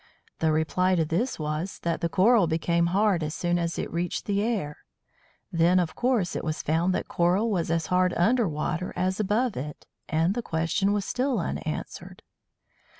The reply to this was, that the Coral became hard as soon as it reached the air. Then, of course, it was found that Coral was as hard under water as above it, and the question was still unanswered.